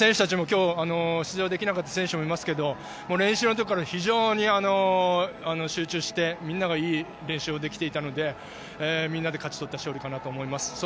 今日出場できなかった選手もいますけど練習の時から非常に集中してみんながいい練習をできていたのでみんなで勝ち取った勝利かなと思います。